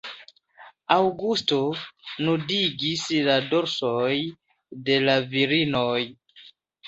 Aŭgusto nudigis la dorsojn de la virinoj.